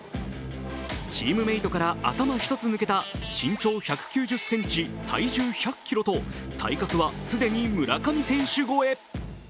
チームメイトから頭一つ抜けた身長１９０ｃｍ、体重１００ｋｇと体格は既に村上選手越え。